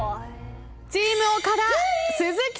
チーム岡田鈴木